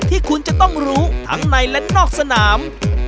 ที่คุณจะต้องรู้ทั้งในและนอกสนาม